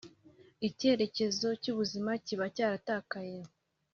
ikerekezo cy’ubuzima kiba cyaratakaye